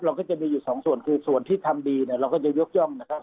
เราก็จะมีอยู่สองส่วนคือส่วนที่ทำดีเนี่ยเราก็จะยกย่องนะครับ